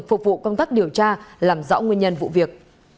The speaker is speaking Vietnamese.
phục vụ công tác điều tra làm rõ nguyên nhân vụ việc